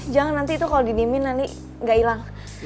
jangan nanti itu kalo didiemin nanti gak ilang